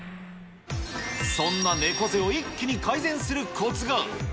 そんな猫背を一気に改善するこつが。